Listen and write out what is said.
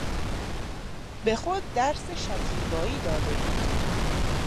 به خود درس شکیبایی داده بود.